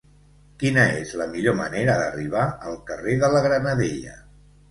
Quina és la millor manera d'arribar al carrer de la Granadella?